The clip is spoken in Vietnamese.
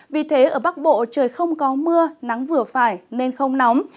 vì thế ở bắc bộ trời không có mưa nắng vừa phải nên không nóng